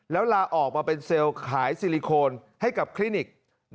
แล้วลาออกมาเป็นเซลล์ขายซิลิโคนให้กับคลินิก